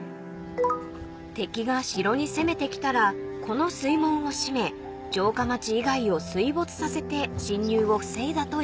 ［敵が城に攻めてきたらこの水門を閉め城下町以外を水没させて侵入を防いだといいます］